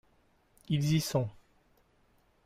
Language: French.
Ils y sont.